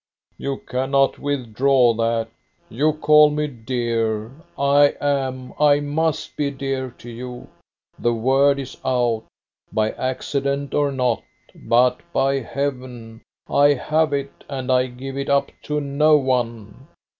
"You cannot withdraw that. You call me dear. I am, I must be dear to you. The word is out, by accident or not, but, by heaven, I have it and I give it up to no one.